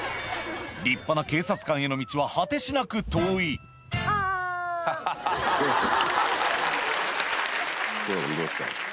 立派な警察官への道は果てしなく遠い窪田さんどうですか？